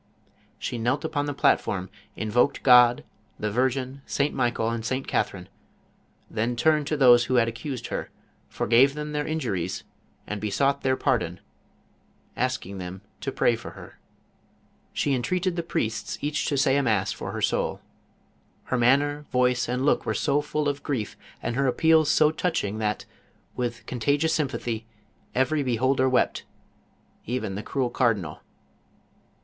She knelt upon the platform, in voked God, the virgin, St. Michael, and St. Catherine, then turned to those who had accused her, forgave them their injuries, and besought their pardon, asking them to pray for her. She entreated the priests each to say a mass for her soul. Her manner, voice, and look were so full of grief, and her appeals so touching that, with contagious sympathy, every beholder wept — even the cruel cardinal.